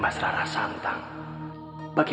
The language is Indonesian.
kau telah mengingatkan kami